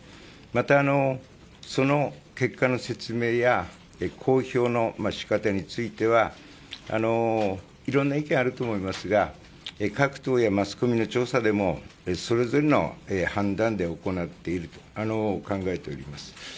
また、その結果の説明や公表の仕方についてはいろいろ意見があると思いますが各党やマスコミの調査でもそれぞれの判断で行っていると考えております。